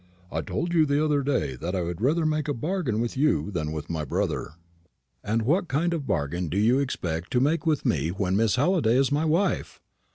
I told you the other day that I would rather make a bargain with you than with my brother." "And what kind of bargain do you expect to make with me when Miss Halliday is my wife?"